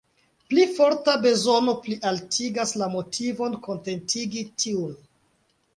Pli forta bezono plialtigas la motivon kontentigi tiun.